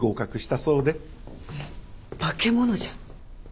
えっ化け物じゃん。